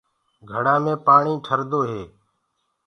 گھڙآ مي پآڻي ٺردو هي۔